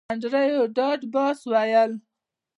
انډریو ډاټ باس وویل